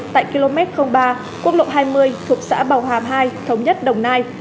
tại km ba quốc lộ hai mươi thuộc xã bào hàm hai thống nhất đồng nai